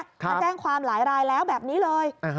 มาแจ้งความหลายรายแล้วแบบนี้เลย